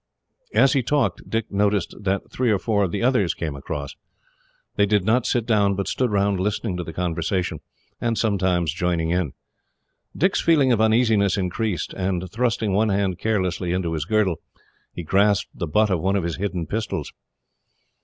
As he talked, Dick noticed that three or four of the others came across. They did not sit down, but stood round listening to the conversation, and sometimes joining in. Dick's feeling of uneasiness increased, and thrusting one hand carelessly into his girdle, he grasped the butt of one of his hidden pistols.